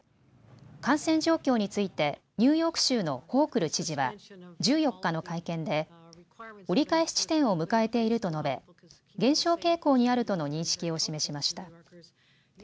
感染状況についてニューヨーク州のホークル知事は１４日の会見で折り返し地点を迎えていると述べ減少傾向にあるとの認識を示しました。